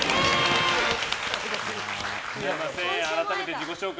改めて自己紹介